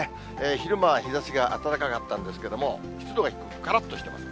昼間は日ざしが暖かかったんですけれども、湿度が低く、からっとしてます。